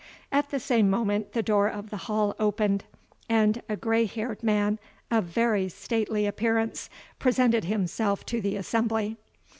At the same moment, the door of the hall opened, and a grey haired man, of a very stately appearance, presented himself to the assembly.